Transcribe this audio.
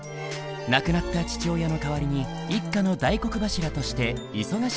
亡くなった父親の代わりに一家の大黒柱として忙しい日々を送っていた。